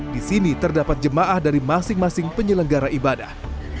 di sini terdapat jemaah dari masing masing penyelenggara ibadah